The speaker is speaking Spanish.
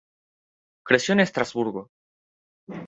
Creció en Estrasburgo.